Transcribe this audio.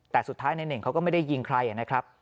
แต่สุดท้ายนายเน่งเขาก็ไม่ได้ยิงใครนะครับ